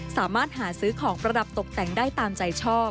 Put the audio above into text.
สามารถหาซื้อของประดับตกแต่งได้ตามใจชอบ